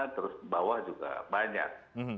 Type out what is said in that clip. terus bawah juga banyak